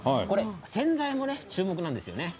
洗剤も注目なんですよね。